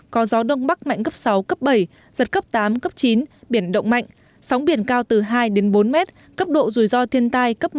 có gió đông bắc mạnh cấp sáu cấp bảy giật cấp tám cấp chín biển động mạnh sóng biển cao từ hai đến bốn mét cấp độ rủi ro thiên tai cấp một mươi